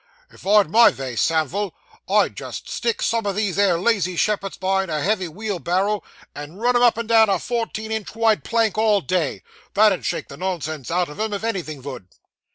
If I'd my vay, Samivel, I'd just stick some o' these here lazy shepherds behind a heavy wheelbarrow, and run 'em up and down a fourteen inch wide plank all day. That 'ud shake the nonsense out of 'em, if anythin' vould.